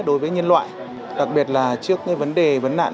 đối với nhân loại đặc biệt là trước vấn đề vấn nạn